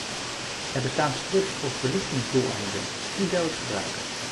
Er bestaan strips voor verlichtingsdoeleinden, die zou ik gebruiken.